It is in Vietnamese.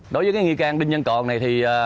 đối với nghi can đinh nhân còn này